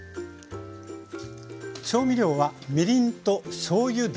調味料はみりんとしょうゆだけです。